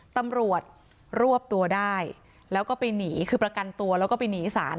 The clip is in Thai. ตำรวจรวบตัวได้แล้วก็ไปหนีคือประกันตัวแล้วก็ไปหนีศาล